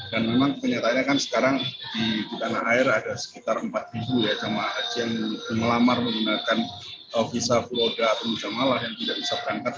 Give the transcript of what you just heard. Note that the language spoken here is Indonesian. dan memang kenyataannya kan sekarang di tanah air ada sekitar empat ya jemaah haji yang melamar menggunakan visa beroda atau musyamalah yang tidak bisa berangkat